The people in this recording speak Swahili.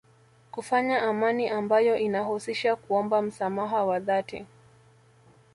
Kufanya amani ambayo inahusisha kuomba msamaha wa dhati